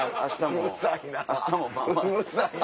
うるさいな。